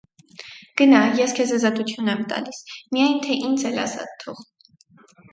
Գնա, ես քեզ ազատություն եմ տալիս, միայն թե ինձ էլ ազատ թող…